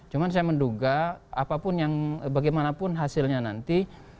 cuma saya menduga apapun yang bagaimanapun hasilnya nanti